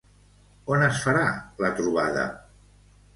On es farà la trobada?